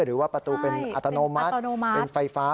หรือว่าประตูเป็นอัตโนมัติเป็นไฟฟ้า